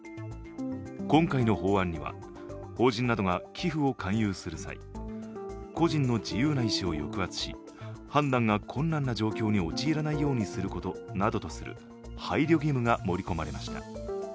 今回の法案には、法人などが寄付を勧誘する際個人の自由な意思を抑圧し判断が困難な状況に陥らないようにすることなどとする配慮義務が盛り込まれました。